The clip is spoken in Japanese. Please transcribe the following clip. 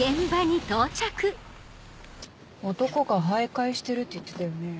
男が徘徊してるって言ってたよね。